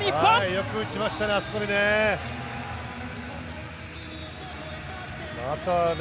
よく打ちましたね、あそこでね。